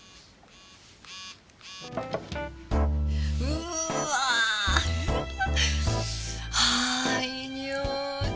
うわあ！ああいいにおい！